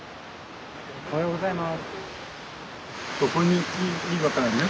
おはようございます。